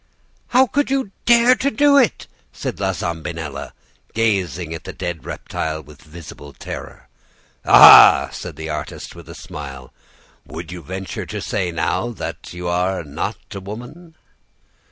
"'How could you dare to do it?' said La Zambinella, gazing at the dead reptile with visible terror. "'Aha!' said the artist, with a smile, 'would you venture to say now that you are not a woman?